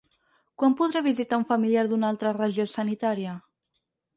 Quan podré visitar un familiar d’un altra regió sanitària?